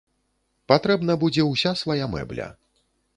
Патрэбна будзе ўся свая мэбля.